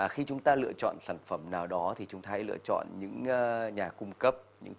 khi chúng ta lựa chọn sản phẩm nào đó thì chúng ta hãy lựa chọn những nhà cung cấp những